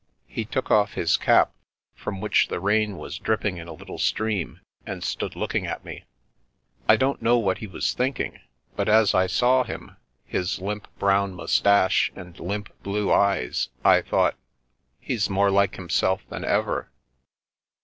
He took off his cap, from which the rain was dripping in a little stream, and stood looking at me. I don't know what he was thinking, but as I saw him, his limp, brown moustache, and limp, blue eyes, I thought, " He's more like himself than ever